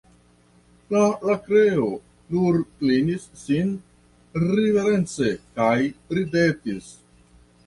La Lakeo nur klinis sin riverence kaj ridetis.